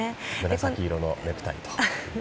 紫色のネクタイと。